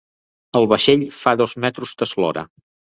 El vaixell fa dos metres d'eslora.